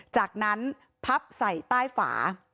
จากนั้นพับใส่ใต้ฝา